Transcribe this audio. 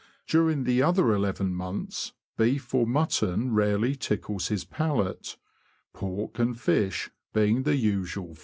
'' During the other eleven months, beef or mutton rarely tickles his palate, pork and fish being the usual food.